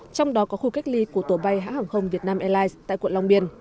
trong đó có khu cách ly của tổ bay hãng hồng việt nam airlines tại quận long biên